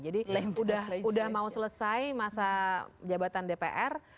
jadi udah mau selesai masa jabatan dpr